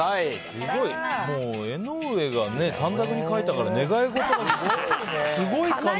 江上が短冊に書いたから願い事がすごいかなう。